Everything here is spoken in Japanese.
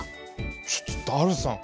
ちょっとダルさん